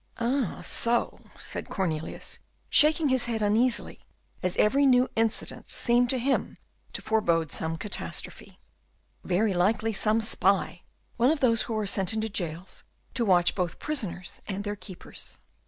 "Ah, so," said Cornelius, shaking his head uneasily as every new incident seemed to him to forebode some catastrophe; "very likely some spy, one of those who are sent into jails to watch both prisoners and their keepers."